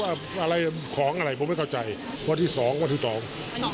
อะไรของอะไรผมไม่เข้าใจวันที่สองวันที่สอง